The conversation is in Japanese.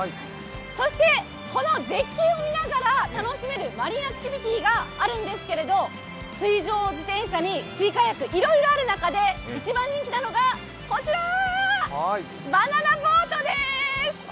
そして、この絶景を見ながら楽しめるマリンアクティビティーがあるんですけど水上自転車にシーカヤック、いろいろある中で一番人気なのが、こちら、バナナボートです。